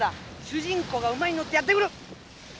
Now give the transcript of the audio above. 主人公が馬に乗ってやって来る。